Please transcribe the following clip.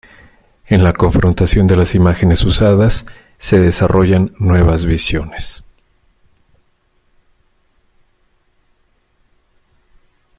En la confrontación de las imágenes usadas se desarrollan nuevas visiones.